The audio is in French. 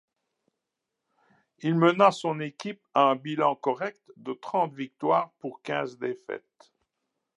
Il mena son équipe à un bilan correct de trente victoires pour quinze défaites.